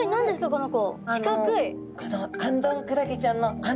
この子！